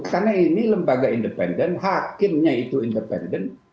karena ini lembaga independen hakimnya itu independen